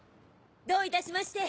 どういたしまして。